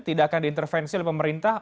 tidak akan diintervensi oleh pemerintah